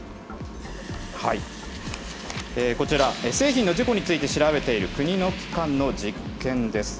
こちら、製品の事故について調べている国の機関の実験です。